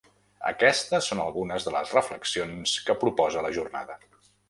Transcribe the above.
Aquestes són algunes de les reflexions que proposa la jornada.